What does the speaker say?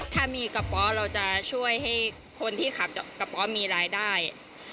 ถ้ามีกระเป๋าเราจะช่วยให้คนที่ขับกระเป๋ามีรายได้